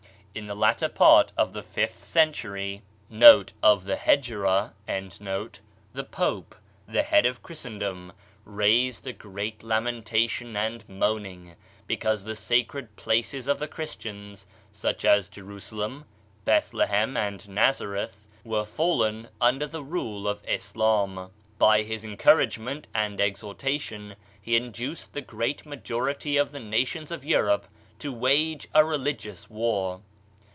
In the latter part of the fifth century,* the Pope, the head of Christendom, raised a great lamentation and moan ing, because the sacred places of the Christians, such as Jerusalem, Bethlehem and Nazareth, were fallen under the rule of Islam. By his encour agement and exhortation he induced the greafl majority of the nations of Europe to wage a religi ous war.